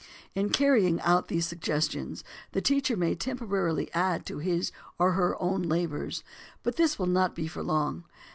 In carrying out these suggestions the teacher may temporarily add to his or her own labors; but this will not be for long.